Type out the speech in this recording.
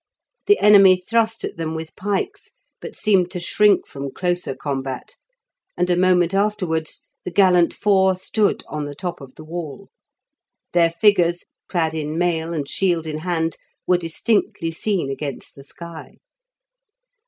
The enemy thrust at them with pikes, but seemed to shrink from closer combat, and a moment afterwards the gallant four stood on the top of the wall. Their figures, clad in mail and shield in hand, were distinctly seen against the sky.